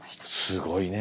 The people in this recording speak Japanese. すごいねえ。